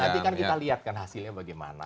nanti kan kita lihat kan hasilnya bagaimana